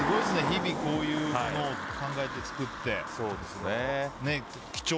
日々、こういうものを考えて作って。